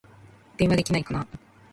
電話できないかな